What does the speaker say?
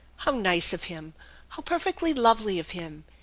How nice of him ! How perfectly lovely of him!